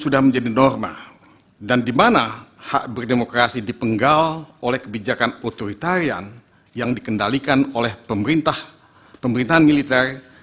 dan di mana hak berdemokrasi dipenggal oleh kebijakan otoritarian yang dikendalikan oleh pemerintahan militer